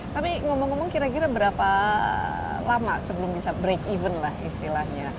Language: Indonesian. tapi ngomong ngomong kira kira berapa lama sebelum bisa break even lah istilahnya